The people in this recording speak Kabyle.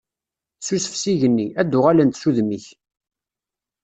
Susef s igenni, ad d-uɣalent s udem-ik.